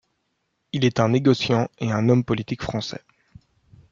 Il est un négociant et un homme politique français.